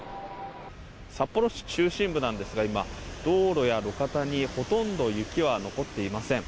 札幌市中心部なんですが今、道路や路肩にほとんど雪は残っていません。